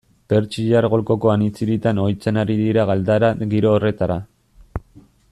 Pertsiar Golkoko anitz hiritan ohitzen ari dira galdara giro horretara.